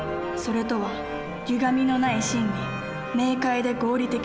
「それ」とはゆがみのない真理。